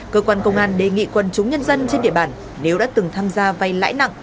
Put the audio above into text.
cơ quan công an đề nghị quân chúng nhân dân trên địa bàn nếu đã từng tham gia vay lãi nặng